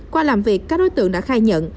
qua làm việc các đối tượng đã khai nhận